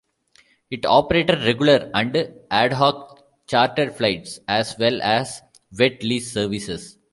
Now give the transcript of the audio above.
It operated regular and ad hoc charter flights as well as wet-lease services.